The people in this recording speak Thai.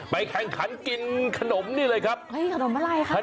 แข่งขันกินขนมนี่เลยครับเฮ้ยขนมอะไรคะ